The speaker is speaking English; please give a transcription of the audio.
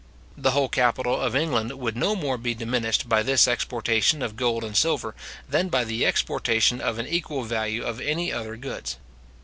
The whole capital of England would no more be diminished by this exportation of gold and silver, than by the exportation of an equal value of any other goods.